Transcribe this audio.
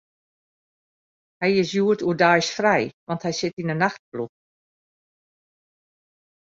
Hy is hjoed oerdeis frij, want hy sit yn 'e nachtploech.